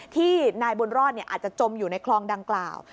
ที่นายบุญรอดอาจจะจมอยู่ในคลองดังกล่าว